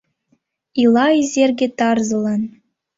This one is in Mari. Ила Изерге тарзылан.